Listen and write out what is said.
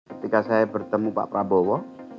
ketika saya bertemu pak prabowo